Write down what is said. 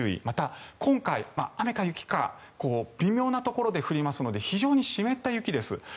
また今回、雨か雪か微妙なところで降りますので非常に湿った雪です。